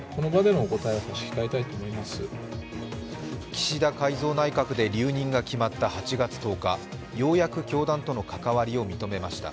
岸田改造内閣で留任が決まった８月１０日、ようやく教団との関わりを認めました。